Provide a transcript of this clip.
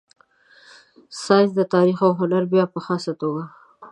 ساینس، تاریخ او هنر بیا په خاصه توګه.